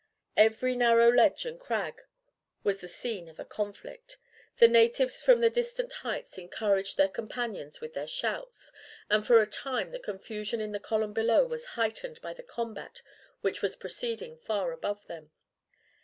Every narrow ledge and crag was the scene of a conflict. The natives from the distant heights encouraged their companions with their shouts, and for a time the confusion in the column below was heightened by the combat which was proceeding far above them.